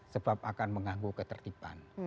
sebab akan mengangguk ketertiban